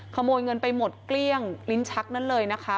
ขโมยเงินไปหมดเกลี้ยงลิ้นชักนั้นเลยนะคะ